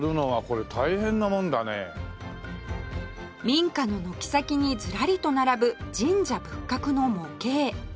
民家の軒先にずらりと並ぶ神社仏閣の模型